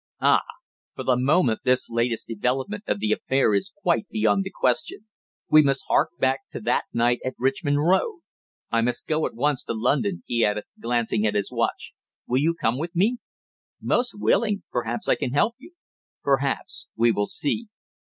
"Ah! For the moment, this latest development of the affair is quite beyond the question. We must hark back to that night at Richmond Road. I must go at once to London," he added, glancing at his watch. "Will you come with me?" "Most willingly. Perhaps I can help you." "Perhaps; we will see."